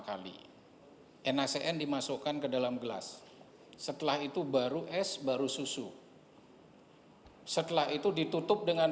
kali nacn dimasukkan ke dalam gelas setelah itu baru es baru susu setelah itu ditutup dengan